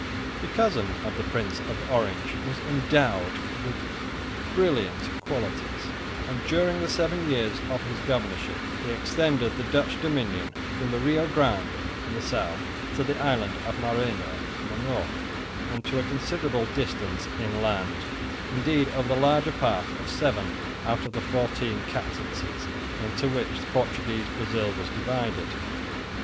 This cousin of the Prince of Orange was endowed with brilliant qualities, and during the seven years of his governorship he extended the Dutch dominion from the Rio Grande in the south to the island of Maranhão on the north and to a considerable distance inland, indeed over the larger part of seven out of the fourteen captaincies into which Portuguese Brazil was divided.